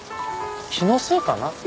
気のせいかな。